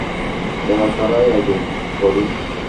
এবার তারই আয়োজন করি।